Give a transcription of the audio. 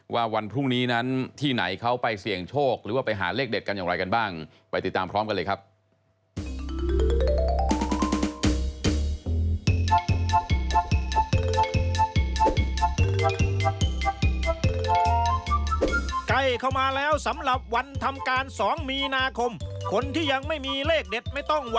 ว่าวันพรุ่งนี้นั้นที่ไหนเขาไปเสี่ยงโชคหรือว่าไปหาเลขเด็ดกันอย่างไรกันบ้าง